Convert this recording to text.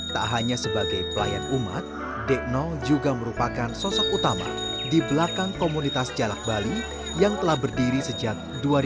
tak hanya sebagai pelayan umat dek nol juga merupakan sosok utama di belakang komunitas jalak bali yang telah berdiri sejak dua ribu